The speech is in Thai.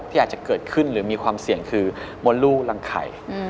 อาจจะเกิดขึ้นหรือมีความเสี่ยงคือมดลูกรังไข่